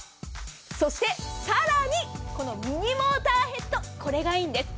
そしてさらにミニモーターヘッドこれがいいんです。